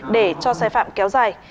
để cho sai phạm kéo dài